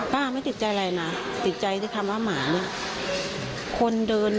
กล้าไม่ติดใจอะไรนะติดใจที่คำว่าหมานี่